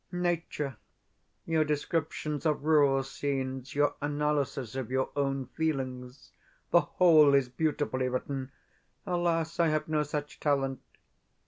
Nature, your descriptions of rural scenes, your analysis of your own feelings the whole is beautifully written. Alas, I have no such talent!